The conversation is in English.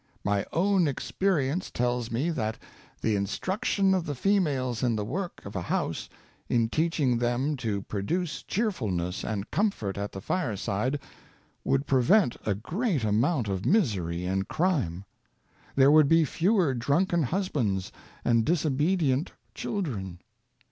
My own experience tells me that the in struction of the females in the work of a house, in teaching them to produce cheerfulness and comfort at 58 Female Education, the fireside, would prevent a great amount of misery and crime. There would be fewer drunken husbands and disobedient children.